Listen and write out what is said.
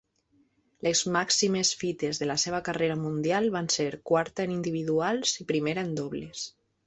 Les màximes fites de la seva carrera mundial van ser quarta en individuals i primera en dobles.